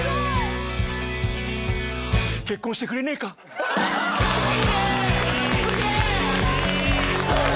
結婚してくれねえか？